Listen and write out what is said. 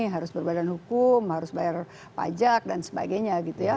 harus berbadan hukum harus bayar pajak dan sebagainya gitu ya